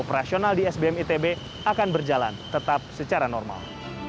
operasional di sbm itb akan berjalan tetap secara normal